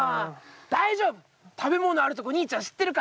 大丈夫食べ物あるとこ兄ちゃん知ってるから。